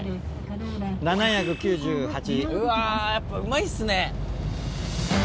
うわやっぱうまいっすね！